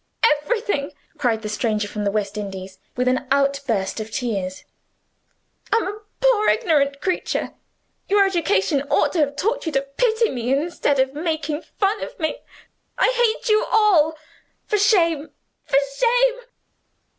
"Everything!" cried the stranger from the West Indies, with an outburst of tears. "I'm a poor ignorant creature. Your education ought to have taught you to pity me instead of making fun of me. I hate you all. For shame, for shame!"